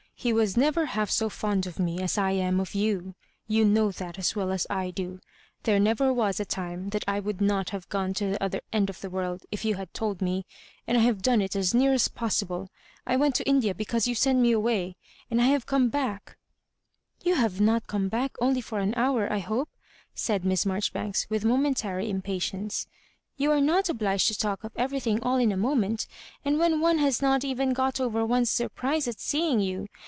He was never half so fond of me as I am of you. Tou Know that as well as I do. There never was a time that I would not have gone to the other end of the world if you had told me ; and I have done it as near as possible. I went to India because you sent me away. And I have come " You have not come back only for an hour, I hope?" said Miss Maijoribanks, vrikh momen tary impatience ; "you are not obliged to talk of everything all in a moment— and when one has not even got over one's surprise at seeing you.